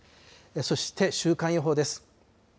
そして週間予報です。